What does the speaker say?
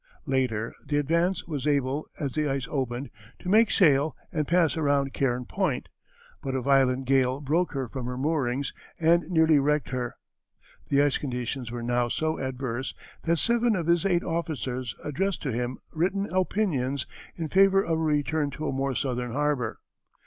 Later the Advance was able, as the ice opened, to make sail and pass around Cairn Point, but a violent gale broke her from her moorings and nearly wrecked her. The ice conditions were now so adverse that seven of his eight officers addressed to him written opinions in favor of a return to a more southern harbor.